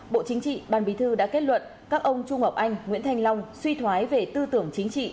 bộ chính trị ban bí thư đã kết luận các ông trung ngọc anh nguyễn thanh long suy thoái về tư tưởng chính trị